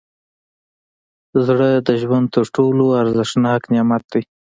زړه د ژوند تر ټولو ارزښتناک نعمت دی.